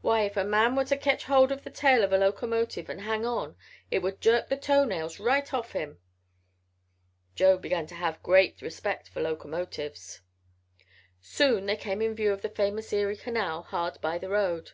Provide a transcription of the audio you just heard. Why, if a man was to ketch hold of the tail of a locomotive, and hang on, it would jerk the toe nails right off him." Joe began to have great respect for locomotives. Soon they came in view of the famous Erie Canal, hard by the road.